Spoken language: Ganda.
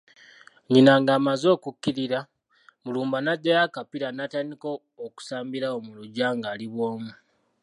Nnyina ng’amaze okukkirira, Mulumba najjayo akapiira natandika okusambira awo mu luggya ng’ali bwomu.